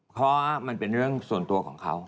เพราะมันเป็นเรื่องส่วนตัวของเขา